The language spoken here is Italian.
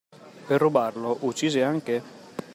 Per rubarlo, uccise anche?